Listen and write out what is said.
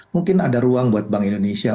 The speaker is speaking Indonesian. mungkin ada ruang buat bank indonesia